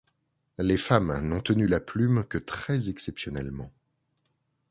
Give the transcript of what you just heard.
Les femmes n’ont tenu la plume que très exceptionnellement.